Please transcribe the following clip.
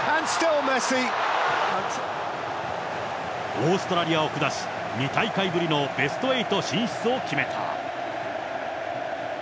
オーストラリアを下し、２大会ぶりのベスト８進出を決めた。